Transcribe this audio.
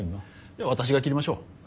じゃあ私が切りましょう。